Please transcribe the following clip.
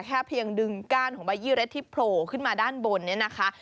แค่เพียงดึงก้านของใบยี่เร็ดที่โผล่ขึ้นมาด้านบนเนี่ยนะคะ